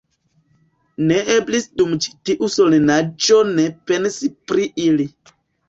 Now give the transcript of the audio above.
Ne eblis dum ĉi tiu solenaĵo ne pensi pri ili.